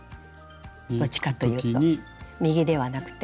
どっちかというと右ではなくて。